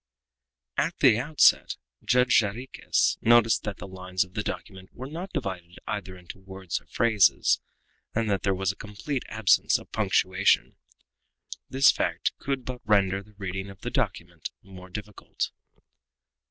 _ At the outset, Judge Jarrizuez noticed that the lines of the document were not divided either into words or phrases, and that there was a complete absence of punctuation. This fact could but render the reading of the document more difficult.